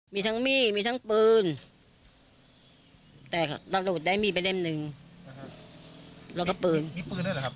มีทั้งมี่มีทั้งปืนแต่เราหลุดได้มี่ไปเล่มหนึ่งแล้วก็ปืนมีปืนแล้วหรือครับ